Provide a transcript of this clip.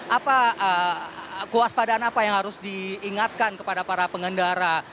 apa kewaspadaan apa yang harus diingatkan kepada para pengendara